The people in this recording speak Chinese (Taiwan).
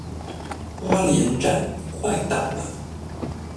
花蓮站，快到了